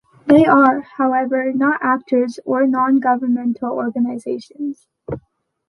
They are, however, not actors or non-governmental organizations.